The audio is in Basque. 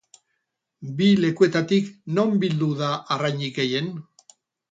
Bi lekuetatik, non bildu da arrainik gehien?